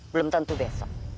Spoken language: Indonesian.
belum tentu besok